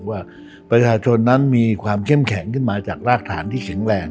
ว่าประชาชนนั้นมีความเข้มแข็งขึ้นมาจากรากฐานที่แข็งแรง